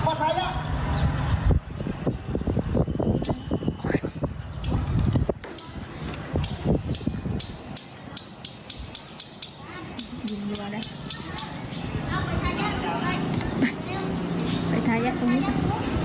สวัสดีครับ